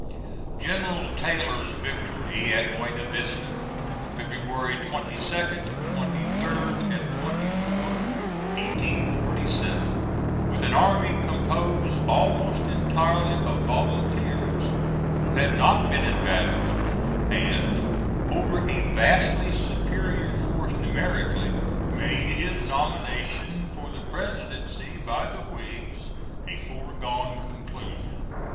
General Taylor's victory at Buena Vista, February 22d, 23d, and 24th, 1847, with an army composed almost entirely of volunteers who had not been in battle before, and over a vastly superior force numerically, made his nomination for the Presidency by the Whigs a foregone conclusion.